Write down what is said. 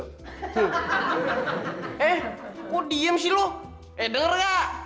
heeh kok diem sih lo eh denger gak